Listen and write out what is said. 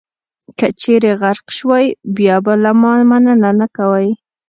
که چېرې غرق شوئ، بیا به له ما مننه نه کوئ.